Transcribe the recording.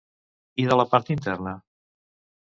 I de la part interna?